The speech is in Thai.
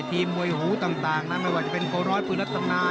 น้องมอบมื้อหูต่างที่จะเป็นโรยใหปริละทนา